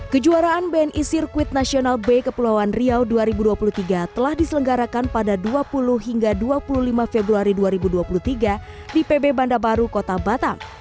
kejuaraan bni sirkuit nasional b kepulauan riau dua ribu dua puluh tiga telah diselenggarakan pada dua puluh hingga dua puluh lima februari dua ribu dua puluh tiga di pb banda baru kota batam